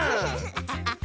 アハハハ！